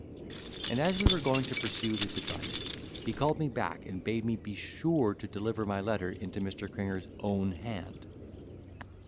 And as we were going to pursue this advice, he called me back and bade me be sure to deliver my letter into Mr. Cringer's own hand.